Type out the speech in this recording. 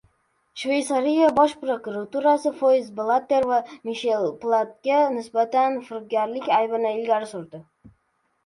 Shveysariya Bosh prokuraturasi Yozef Blatter va Mishel Platiniga nisbatan firibgarlik aybini ilgari surdi